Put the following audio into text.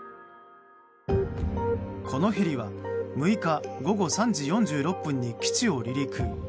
このヘリは６日午後３時４６分に基地を離陸。